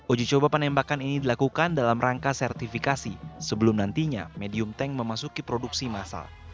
uji coba penembakan ini dilakukan dalam rangka sertifikasi sebelum nantinya medium tank memasuki produksi massal